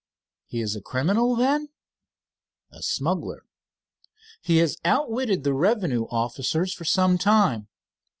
"He is a criminal, then?" "A smuggler. He has outwitted the revenue officers for some time.